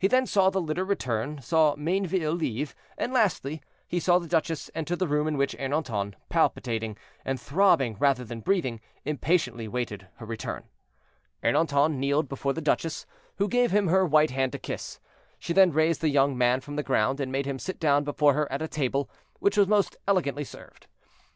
He then saw the litter return, saw Mayneville leave, and, lastly, he saw the duchess enter the room in which Ernanton, palpitating, and throbbing rather than breathing, impatiently awaited her return. Ernanton kneeled before the duchess, who gave him her white hand to kiss. She then raised the young man from the ground, and made him sit down before her at a table which was most elegantly served.